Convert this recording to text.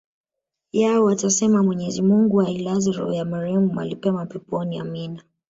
yao watasema mwenyezi mungu ailaze roho ya marehemu mahali pema peponi amina